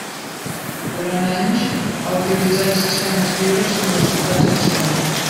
Durant anys ha utilitzat sistemes lliures amb resultats excel·lents.